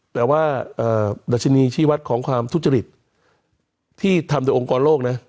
แต่ว่าดัชนีชีวัตรของความทุจริตที่ทำโดยองค์กรโลกนะ